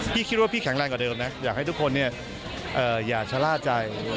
พี่คิดว่าพี่แข็งแรงกว่าเดิมนะอยากให้ทุกคนอย่าชะล่าใจ